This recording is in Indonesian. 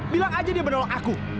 bilang aja dia menolak aku